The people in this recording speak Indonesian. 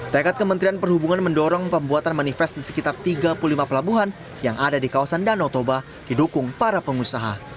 tekad kementerian perhubungan mendorong pembuatan manifest di sekitar tiga puluh lima pelabuhan yang ada di kawasan danau toba didukung para pengusaha